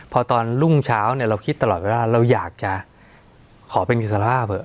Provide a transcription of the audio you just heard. พอตอนรุ่งเช้าเนี่ยเราคิดตลอดเวลาเราอยากจะขอเป็นกิจสภาพเหอะ